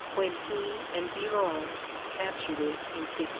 when he and Biron captured it in 1590.